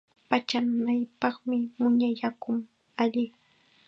Pacha nanaypaqqa muña yakum alli.